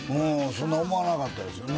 そんな思わなかったですね